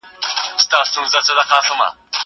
زه به سبا کتابونه وړم!!